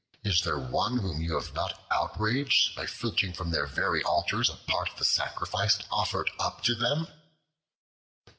Is there one whom you have not outraged by filching from their very altars a part of the sacrifice offered up to them?"